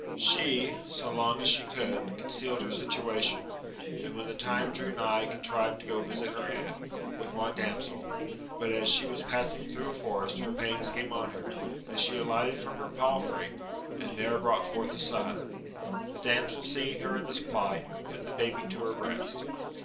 She, so long as she could, concealed her situation, and when the time drew nigh contrived to go visit her kunt, with one damsel; but as she was passing through a forest her pains came on her, and she alighted from her palfrey, and there brought forth a son. The damsel seeing her in this plight, put the baby to her breast.